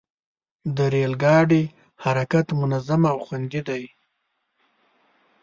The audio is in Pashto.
د ریل ګاډي حرکت منظم او خوندي دی.